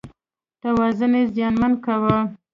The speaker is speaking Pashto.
توازن یې زیانمن کاوه.